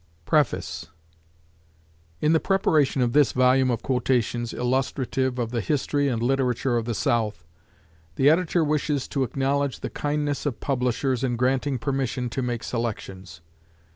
Preface In the preparation of this volume of quotations illustrative of the history and literature of the South, the editor wishes to acknowledge the kindness of publishers in granting permission to make selections.